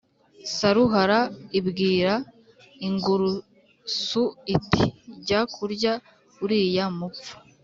Saruhara ibwira ingurusu iti «jya kurya uriya mupfu